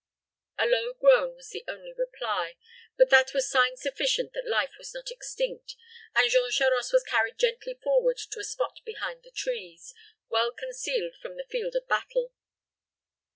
A low groan was the only reply; but that was sign sufficient that life was not extinct, and Jean Charost was carried gently forward to a spot behind the trees, well concealed from the field of battle.